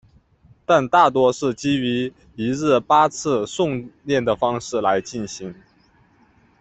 但大多是基于一日八次诵念的方式来进行。